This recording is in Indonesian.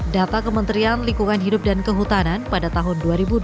data kementerian lingkungan hidup dan kehutanan pada tahun dua ribu dua puluh